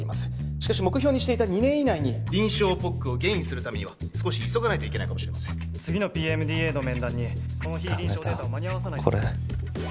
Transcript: しかし目標にしていた２年以内に臨床ＰＯＣをゲインするためには少し急がないといけないかも次のＰＭＤＡの面談にこの非臨床データを間に合わさないとダメだ